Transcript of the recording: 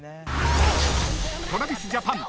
［ＴｒａｖｉｓＪａｐａｎ